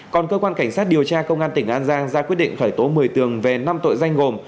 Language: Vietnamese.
còn cơ quan cảnh sát điều tra công an tỉnh an giang ra quyết định khởi tố một mươi tường về năm tội danh gồm